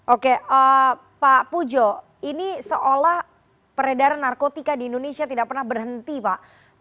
oke pak pujo ini seolah peredaran narkotika di indonesia tidak pernah berhenti pak